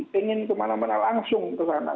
pengen kemana mana langsung ke sana